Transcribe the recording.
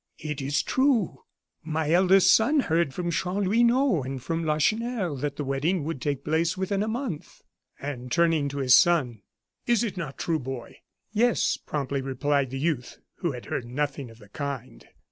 "It is true. My eldest son heard from Chanlouineau and from Lacheneur that the wedding would take place within a month." And turning to his son: "Is it not true, boy?" "Yes," promptly replied the youth, who had heard nothing of the kind.